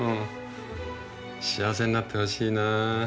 幸せになってほしいなあ。